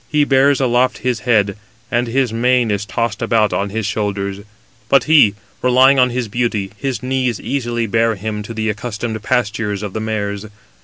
He bears aloft his head, and his mane is tossed about on his shoulders: but he, relying on his beauty, 251 his knees easily bear him to the accustomed pastures 252 of the mares.